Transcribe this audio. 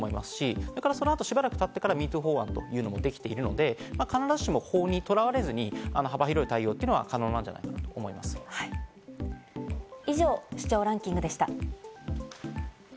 そういったアプローチもあると思いますし、その後、しばらくたってから「＃ＭｅＴｏｏ」法案ができているので、必ずしも法にとらわれずに幅広い対応が可能なんじゃないかと思い以上、視聴ランキングでした。